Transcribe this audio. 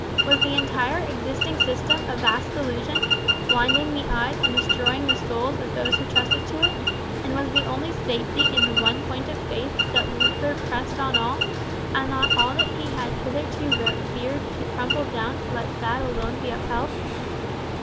Was the entire existing system a vast delusion, blinding the eyes and destroying the souls of those who trusted to it; and was the only safety in the one point of faith that Luther pressed on all, and ought all that he had hitherto revered to crumble down to let that alone be upheld?